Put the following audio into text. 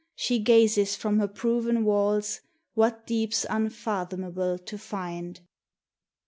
She gazes from her proven walls What deeps unfathomable to find!